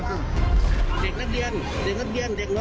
ตี้